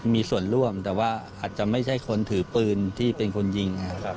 มีส่วนร่วมแต่ว่าอาจจะไม่ใช่คนถือปืนที่เป็นคนยิง